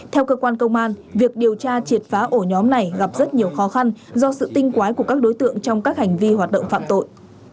theo cơ quan công an việc điều tra triệt phá ổ nhóm này gặp rất nhiều khó khăn do sự tinh quái của các đối tượng trong các hành vi hoạt động phạm tội